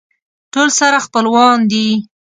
ټول سره خپلوان دي.